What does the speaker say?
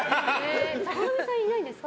坂上さんはいないんですか？